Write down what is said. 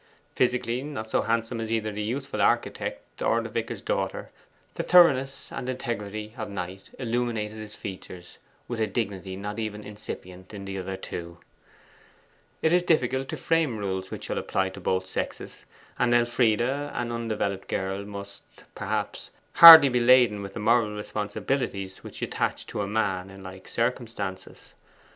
Physically not so handsome as either the youthful architect or the vicar's daughter, the thoroughness and integrity of Knight illuminated his features with a dignity not even incipient in the other two. It is difficult to frame rules which shall apply to both sexes, and Elfride, an undeveloped girl, must, perhaps, hardly be laden with the moral responsibilities which attach to a man in like circumstances.